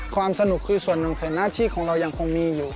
ความสนุกคือส่วนหนึ่งแต่หน้าที่ของเรายังคงมีอยู่